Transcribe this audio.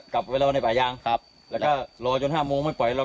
กลับไปรอในป่ายางครับแล้วก็รอจนห้าโมงไม่ปล่อยหรอก